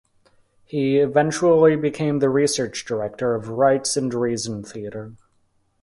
He eventually became the research director of Rites and Reason Theatre.